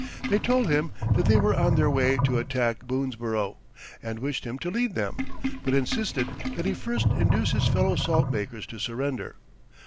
They told him that they were on their way to attack Boonesborough, and wished him to lead them, but insisted that he first induce his fellow salt makers to surrender.